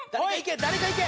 誰かいけ！